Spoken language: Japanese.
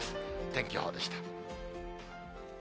天気予報でした。